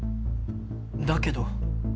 だけど。